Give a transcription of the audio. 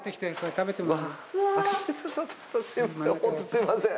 すいません